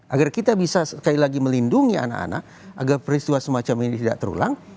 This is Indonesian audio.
agar kita bisa sekali lagi melindungi anak anak agar peristiwa semacam ini tidak terulang